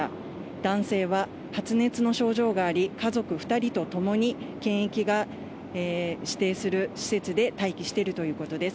男性は発熱の症状があり、家族２人と共に検疫が指定する施設で待機しているということです。